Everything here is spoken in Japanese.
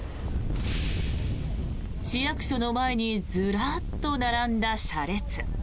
市役所の前にずらっと並んだ車列。